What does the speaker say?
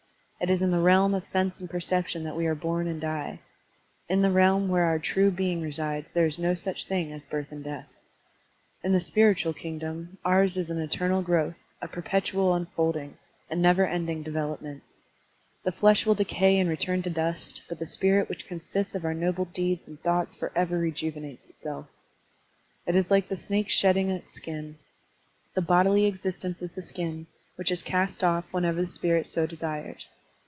It is in the realm of sense and perception that we are bom and die. In the realm where our true being resides there is no such thing as birth and death. In the spiritual kingdom ours is an eternal growth, a perpetual tmfolding, a never ending development. The flesh will decay and return to dust, but the spirit which consists of our noble deeds and thoughts forever rejuvenates itself. It is like the snake's shedding its skin: the bodily existence is the skin, which is cast off whenever the spirit so desires.